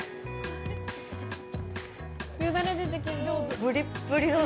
プリップリなの。